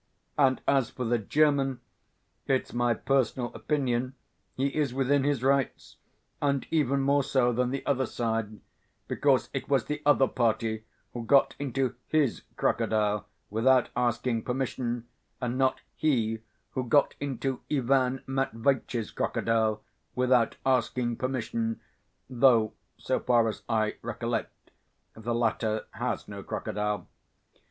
And as for the German, it's my personal opinion he is within his rights, and even more so than the other side, because it was the other party who got into his crocodile without asking permission, and not he who got into Ivan Matveitch's crocodile without asking permission, though, so far as I recollect, the latter has no crocodile.